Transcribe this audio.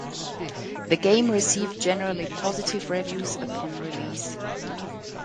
The game received generally positive reviews upon release.